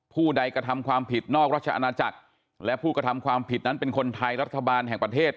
ผู้ใดกระทำความผิดนอกราชอาณาจักรและผู้กระทำความผิดนั้นเป็นคนไทยรัฐบาลแห่งประเทศ